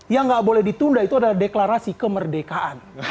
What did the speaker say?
yang nggak boleh ditunda itu adalah deklarasi kemerdekaan